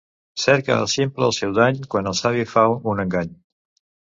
Cerca el ximple el seu dany, quan el savi fa un engany.